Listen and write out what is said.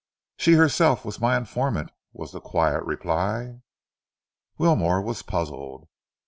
"She herself was my informant," was the quiet reply. Wilmore was puzzled.